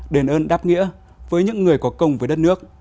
đền ơn đáp nghĩa với những người có công với đất nước